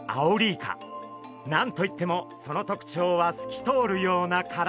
何と言ってもその特徴は透き通るような体！